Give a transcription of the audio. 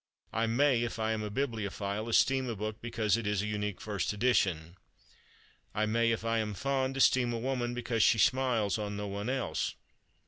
I may, if I am a bibliophile, esteem a book because it is a unique first edition. I may, if I am fond, esteem a woman because she smiles on no one else.